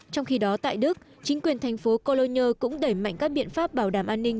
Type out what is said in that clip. trong khi đó tại đức chính quyền thành phố colone cũng đẩy mạnh các biện pháp bảo đảm an ninh